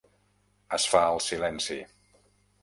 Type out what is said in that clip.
Es fa el silenci.